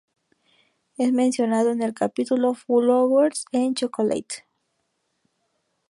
Es mencionado en el capítulo "Flowers and Chocolate".